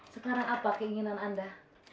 sekarang apa keinginan anda